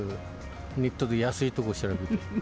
ネットで安いとこ調べてる。